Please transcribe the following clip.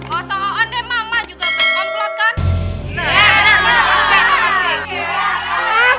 oso on deh mama juga berkomplot kan